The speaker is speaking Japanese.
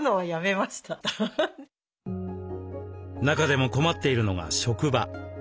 中でも困っているのが職場。